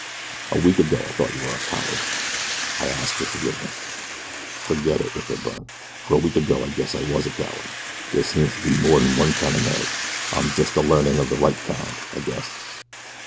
A week ago I thought you were a coward I ask your forgiveness." "Ferget it," whispered Byrne, "fer a week ago I guess I was a coward. Dere seems to be more'n one kind o' nerve I'm jest a learnin' of the right kind, I guess."